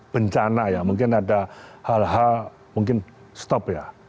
bencana ya mungkin ada hal hal mungkin stop ya